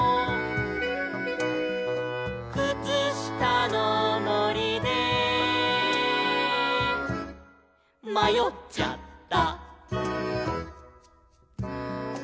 「くつしたのもりでまよっちゃった」